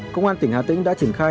công an tỉnh hà tĩnh đã triển khai